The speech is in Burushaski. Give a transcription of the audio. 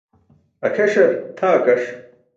Akʰeṣar tʰa akaṣ.